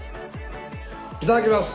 いただきます。